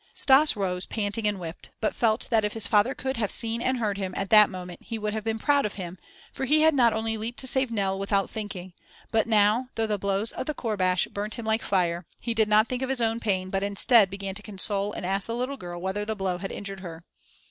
] Stas rose, panting and whipped, but felt that if his father could have seen and heard him at that moment he would have been proud of him, for he had not only leaped to save Nell, without thinking, but now, though the blows of the courbash burnt him like fire, he did not think of his own pain but instead began to console and ask the little girl whether the blow had injured her.